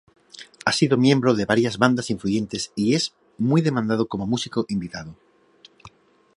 Ha sido miembro de varias bandas influyentes y es muy demandado como músico invitado.